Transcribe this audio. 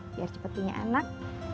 biar cepetinya anak